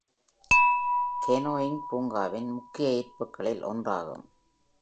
Canoeing பூங்காவின் முக்கிய ஈர்ப்புகளில் ஒன்றாகும்.